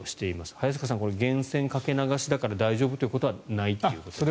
早坂さん、源泉かけ流しだから大丈夫ということはないということですよね？